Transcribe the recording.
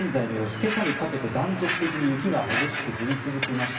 今朝にかけて断続的に雪が激しく降り続きました。